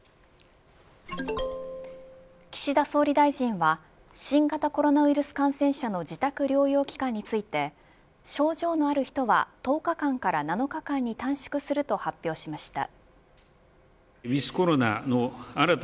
岸田総理大臣は新型コロナウイルス感染者の自宅療養期間について症状のある人は１０日間から７日間に短縮すると発表しました。